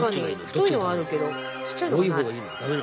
太いのはあるけどちっちゃいのはない。